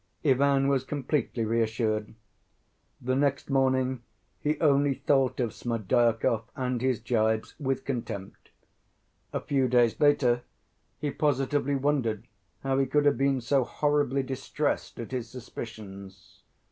Ivan was completely reassured. The next morning he only thought of Smerdyakov and his gibes with contempt. A few days later he positively wondered how he could have been so horribly distressed at his suspicions.